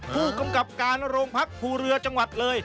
ผู้กำกับการโรงพักภูเรือจังหวัดเลย